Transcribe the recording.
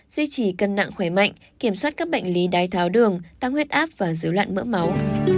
duy trì cân nặng khỏe mạnh kiểm soát các bệnh lý đai tháo đường tăng huyết áp và giữ lặn mỡ máu